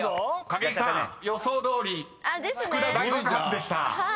［景井さん予想どおり福田大爆発でした］